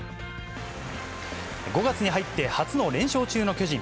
５月に入って初の連勝中の巨人。